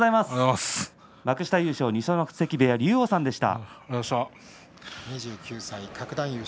幕下優勝、二所ノ関部屋龍王さんでした。